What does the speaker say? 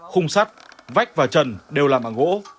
khung sắt vách và trần đều làm bằng gỗ